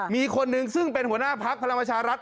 มีคนนึงหัวหน้าภักษ์พลังวัชรัฐ